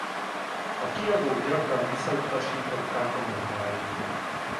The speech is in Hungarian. A kiadók gyakran visszautasították a munkáit.